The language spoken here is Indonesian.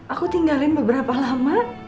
aku tinggalin beberapa lama